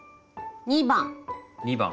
２番。